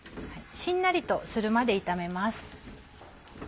しんなりとするまで炒めます。